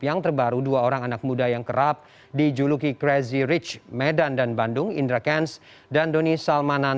yang terbaru dua orang anak muda yang kerap dijuluki crazy rich medan dan bandung indra kents dan doni salmanan